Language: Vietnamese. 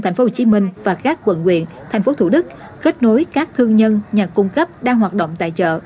tp hcm và các quận quyền tp thủ đức kết nối các thương nhân nhà cung cấp đang hoạt động tại chợ